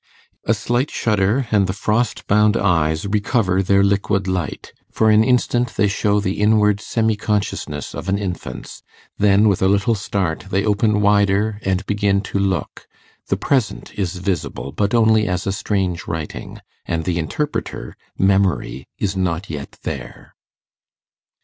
A slight shudder, and the frost bound eyes recover their liquid light; for an instant they show the inward semi consciousness of an infant's; then, with a little start, they open wider and begin to look; the present is visible, but only as a strange writing, and the interpreter Memory is not yet there.